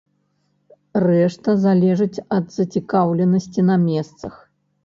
Рэшта залежыць ад зацікаўленасці на месцах.